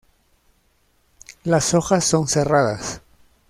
Las hojas son cerradas.